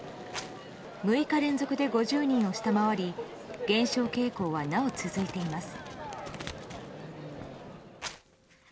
６日連続で５０人を下回り減少傾向は、なお続いています。